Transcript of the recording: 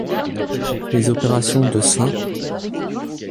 Les opérations de St.